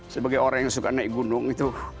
sebagai orang yang suka naik gunung itu